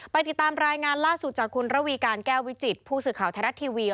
ติดตามรายงานล่าสุดจากคุณระวีการแก้ววิจิตผู้สื่อข่าวไทยรัฐทีวี